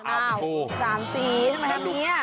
อ้าวสามสีทำไมทำแบบนี้